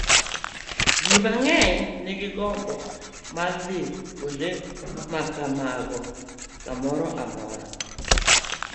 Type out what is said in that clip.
Ji mang'eny nigi gombo mar dhi kuonde ma kamago kamoro amora.